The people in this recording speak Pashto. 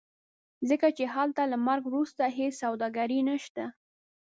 ځکه چې هلته له مرګ وروسته هېڅ سوداګري نشته.